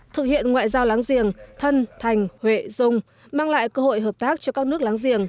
thực hiện ngoại giao láng giềng thân thành huệ dung mang lại cơ hội hợp tác cho các nước láng giềng